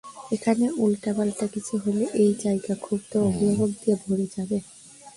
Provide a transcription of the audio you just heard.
এখানে উল্টাপাল্টা কিছু হলে এই জায়গা ক্ষুব্ধ অভিভাবক দিয়ে ভরে যাবে।